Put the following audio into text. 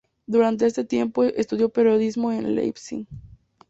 Durante este tiempo, estudió periodismo en Leipzig.